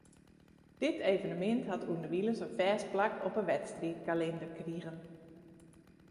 Dit evenemint hat ûnderwilens in fêst plak op 'e wedstriidkalinder krigen.